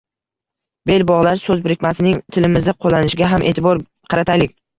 “Bel bog‘lash” so‘z birikmasining tilimizda qo‘llanishiga ham e'tibor qarataylik